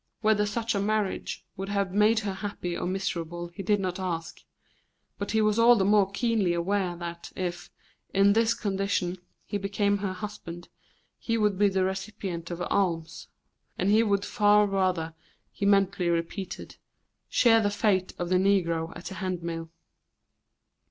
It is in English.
Whether such a marriage would have made her happy or miserable he did not ask, but he was all the more keenly aware that if, in this condition, he became her husband, he would be the recipient of alms, and he would far rather, he mentally repeated, share the fate of the negro at the handmill.